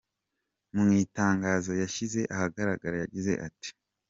Mu itangazo yashyize ahagaragara, yagize ati:.